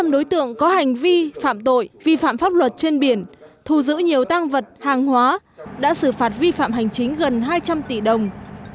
năm đối tượng có hành vi phạm tội vi phạm pháp luật trên biển thù giữ nhiều tăng vật hàng hóa đã xử phạt vi phạm hành chính gần hai trăm linh tỷ đồng